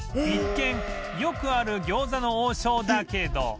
一見よくある餃子の王将だけど